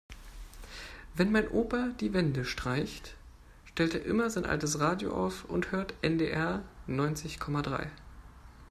Wenn mein Opa die Wände streicht, stellt er immer sein altes Radio auf und hört NDR neunzig Komma drei.